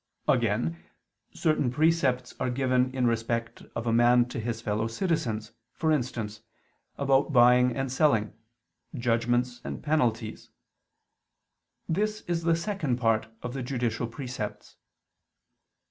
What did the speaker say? Again, certain precepts are given in respect of a man to his fellow citizens: for instance, about buying and selling, judgments and penalties: this is the second part of the judicial precepts.